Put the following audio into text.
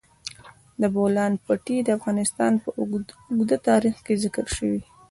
د بولان پټي د افغانستان په اوږده تاریخ کې ذکر شوی دی.